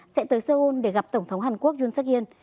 sẽ tới seoul để gặp tổng thống hàn quốc yon seok in